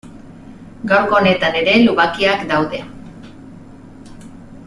Gaurko honetan ere lubakiak daude.